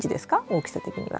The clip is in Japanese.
大きさ的には。